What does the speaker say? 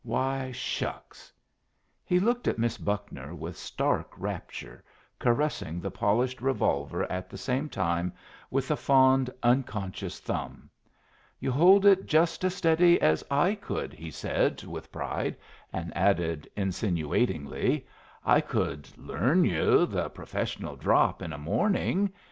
"Why, shucks!" He looked at Miss Buckner with stark rapture, caressing the polished revolver at the same time with a fond, unconscious thumb. "You hold it just as steady as I could," he said with pride, and added, insinuatingly, "I could learn yu' the professional drop in a morning.